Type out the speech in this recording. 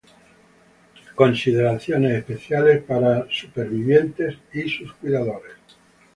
Consideraciones especiales para sobrevivientes y sus cuidadores.